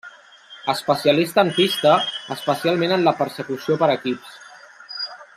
Especialista en pista, especialment en la persecució per equips.